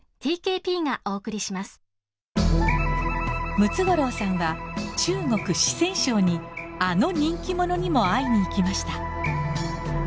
ムツゴロウさんは中国・四川省にあの人気者にも会いに行きました。